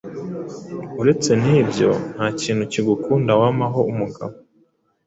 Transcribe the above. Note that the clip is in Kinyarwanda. Uretse n’ibyo nta kintu kigukunda wampaho umugabo.